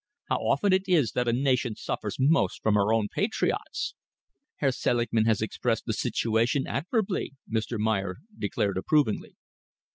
How often it is that a nation suffers most from her own patriots!" "Herr Selingman has expressed the situation admirably," Mr. Meyer declared approvingly.